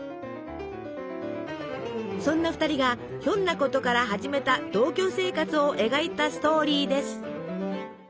そんな２人がひょんなことから始めた同居生活を描いたストーリーです。